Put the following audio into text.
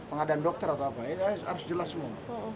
pengadaan dokter atau apa ya harus jelas semua